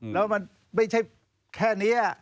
แล้วมันไม่ใช่แค่นี้